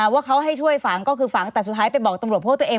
ว่าเขาให้ช่วยฝังก็คือฝังแต่สุดท้ายไปบอกตำรวจเพราะตัวเอง